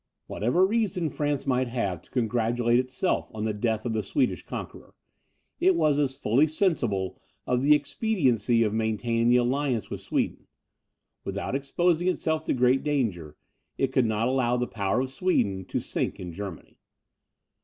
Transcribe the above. Whatever reason France might have to congratulate itself on the death of the Swedish conqueror, it was as fully sensible of the expediency of maintaining the alliance with Sweden. Without exposing itself to great danger, it could not allow the power of Sweden to sink in Germany.